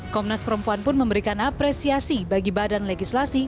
komnas perempuan pun memberikan apresiasi bagi badan legislasi